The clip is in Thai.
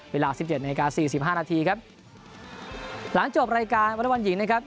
เวลาสิบเจ็ดนาฬิกาสี่สิบห้านาทีครับหลังจบรายการวอเล็กบอลหญิงนะครับ